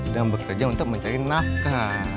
dan bekerja untuk mencari nafkah